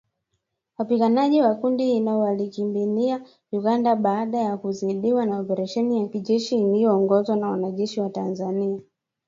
Wapiganaji wa kundi hilo walikimbilia Uganda baada ya kuzidiwa na operesheni ya kijeshi yaliyoongozwa na wanajeshi wa Tanzania,